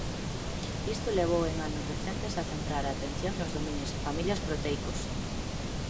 Isto levou en anos recentes a centrar a atención nos dominios e familias proteicos.